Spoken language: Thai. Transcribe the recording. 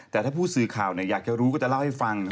แต่ถ้าผู้สื่อข่าวอยากจะรู้ก็จะเล่าให้ฟัง